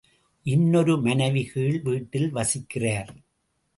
இன்னொரு மனைவி கீழ் வீட்டில் வசிக்கிறார்.